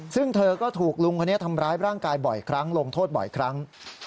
ซึ่งเธอก็ถูกลุงคนนี้ทำร้ายร่างกายบ่อยครั้งลงโทษบ่อยครั้ง